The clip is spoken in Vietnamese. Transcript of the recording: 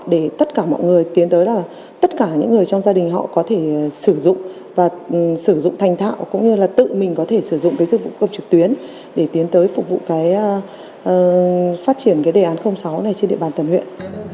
và tất cả những người trong gia đình họ có thể sử dụng và sử dụng thành thạo cũng như là tự mình có thể sử dụng cái dịch vụ công trực tuyến để tiến tới phục vụ cái phát triển cái đề án sáu này trên địa bàn tầm huyện